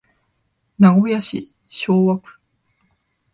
名古屋市昭和区